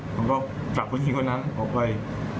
ขอบพุทธคนชื่อนั้นออกไป